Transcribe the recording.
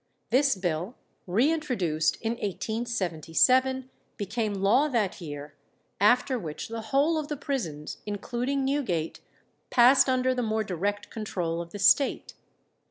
This bill, reintroduced in 1877, became law that year, after which the whole of the prisons, including Newgate, passed under the more direct control of the State.